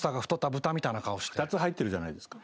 ２つ入ってるじゃないですか。